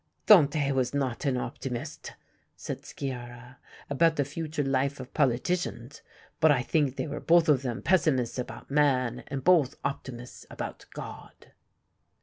"Dante was not an optimist," said Sciarra, "about the future life of politicians. But I think they were both of them pessimists about man and both optimists about God."